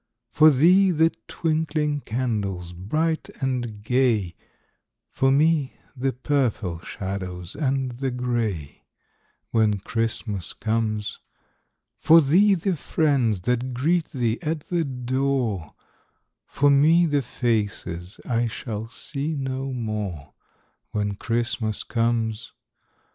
For thee, the twinkling candles bright and gay, For me, the purple shadows and the grey, When Christmas comes. For thee, the friends that greet thee at the door, For me, the faces I shall see no more, When Christmas comes.